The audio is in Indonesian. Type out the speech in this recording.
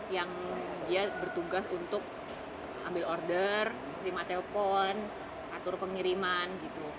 yang dia bertugas untuk ambil order terima telepon atur pengiriman gitu